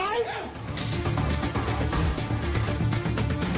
สวัสดีครับ